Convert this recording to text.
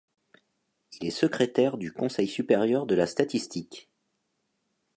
Il est secrétaire du Conseil supérieur de la statistique.